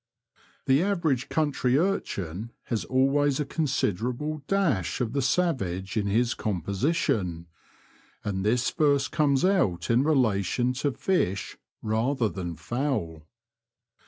The average country urchin has always a considerable dash of the savage in his composition, and this first comes out in relation to fish rather than fowl.